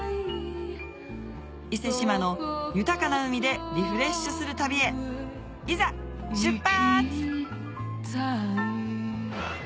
伊勢志摩の豊かな海でリフレッシュする旅へいざ出発！